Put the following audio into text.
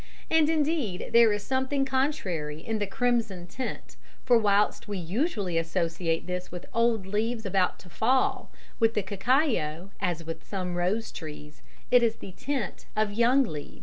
And indeed there is something contrary in the crimson tint, for whilst we usually associate this with old leaves about to fall, with the cacao, as with some rose trees, it is the tint of the young leaves.